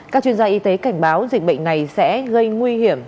các chuyên gia y tế cảnh báo dịch bệnh này sẽ gây nguy hiểm